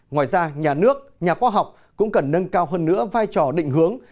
ngoài ra nhà nước nhà khoa học cũng cần nâng cao hơn nữa vai trò định hướng